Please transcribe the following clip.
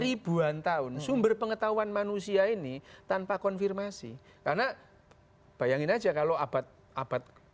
ribuan tahun sumber pengetahuan manusia ini tanpa konfirmasi karena bayangin aja kalau abad abad